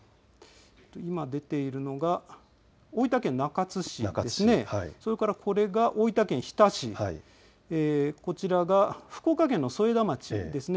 今出ているのが大分県中津市、それから大分県日田市、こちらが福岡県の添田町です。